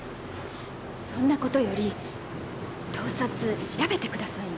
そんな事より盗撮調べてくださいよ。